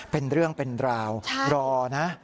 เป็นเรื่องเป็นราวรอนะ